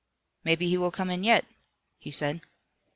"Maybe he will come in yet," he said.